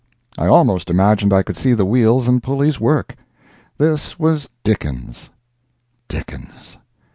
I almost imagined I could see the wheels and pulleys work. This was Dickens—Dickens.